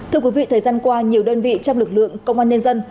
thưa quý vị thời gian qua nhiều đơn vị trong lực lượng công an nhân dân